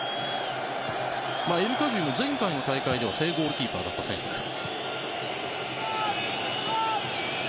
エルカジュイ、前回の大会では正ゴールキーパーだった選手です。